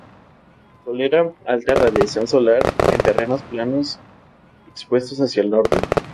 Tolera alta radiación solar en terrenos planos expuestos hacia el norte.